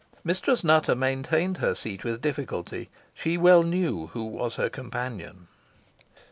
Mistress Nutter maintained her seat with difficulty. She well knew who was her companion.